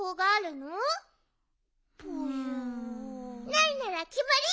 ないならきまり！